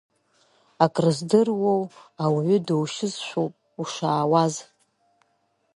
Акрыздыруоу, ауаҩы душьызшәоуп ушаауаз.